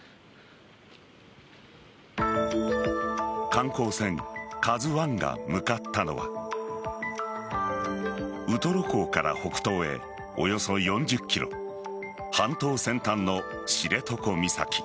観光船「ＫＡＺＵ１」が向かったのはウトロ港から北東へおよそ４０ｋｍ半島先端の知床岬。